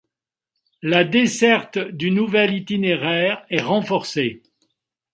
La desserte du nouvel itinéraire est renforcée.